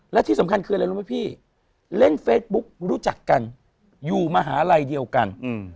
และที่สำคัญคืออะไรรู้ไหมพี่เล่นเฟซบุ๊กรู้จักกันอยู่มหาลัยเดียวกัน